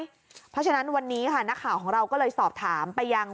เพราะฉะนั้นวันนี้ค่ะนักข่าวของเราก็เลยสอบถามไปยัง